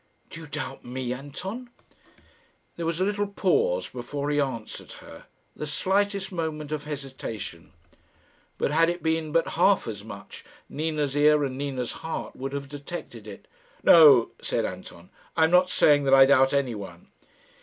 "Do you doubt me, Anton?" There was a little pause before he answered her the slightest moment of hesitation. But had it been but half as much, Nina's ear and Nina's heart would have detected it. "No," said Anton, "I am not saying that I doubt any one."